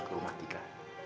ke rumah tika